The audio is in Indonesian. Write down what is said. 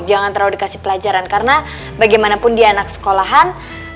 jangan terlalu dikasih pelajaran karena bagaimanapun dia anak sekolahan